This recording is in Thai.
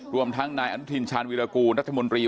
รวมทั้งนายอนุทินชาญวิรากูลรัฐมนตรี